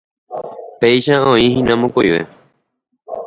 Péicha oĩhína mokõive.